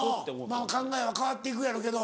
考えは変わっていくやろけど。